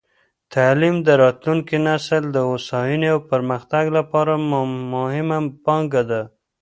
تعلیم د راتلونکې نسل د هوساینې او پرمختګ لپاره مهمه پانګه ده.